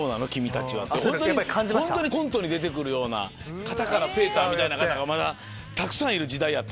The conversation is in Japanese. コントに出て来るような肩からセーターみたいな方がまだたくさんいる時代やった。